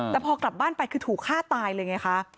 แต่พอกลับบ้านไปคือถูกฆ่าตายเลยไงคะ